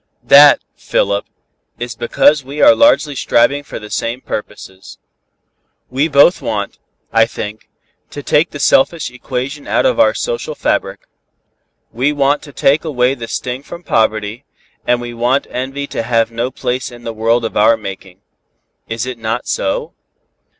"That, Philip, is because we are largely striving for the same purposes. We both want, I think, to take the selfish equation out of our social fabric. We want to take away the sting from poverty, and we want envy to have no place in the world of our making. Is it not so?"